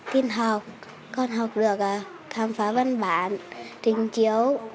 tin học con học được khám phá văn bản trình chiếu